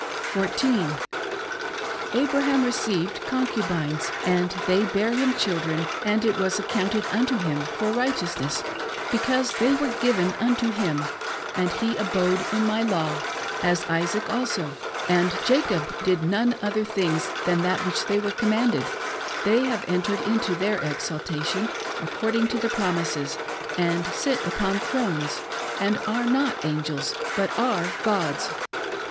14. Abraham received concubines, and they bare hipi children, and it was accounted unto him for righteousness, because they were given unto him, and he abode in my law : as Isaac also, and Jacob did none other things than that which they were commandecl, they have entered into their exaltation, according to the promises, and sit upon thrones ; and are not angels, but are gods.